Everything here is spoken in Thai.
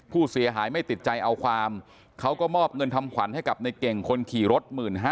ผู้เสียหายไม่ติดใจเอาความเขาก็มอบเงินทำขวัญให้กับในเก่งคนขี่รถ๑๕๐๐